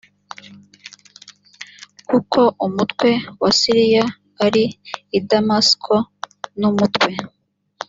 kuko umutwe wa siriya ari i damasiko n umutwe